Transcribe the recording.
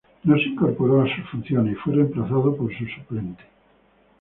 No se incorporó a sus funciones y fue remplazado por su suplente.